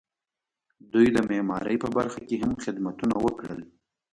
دوی د معمارۍ په برخه کې هم خدمتونه وکړل.